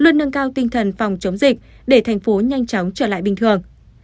luôn nâng cao tinh thần phòng chống dịch để tp hcm nhanh chóng trở lại bình thường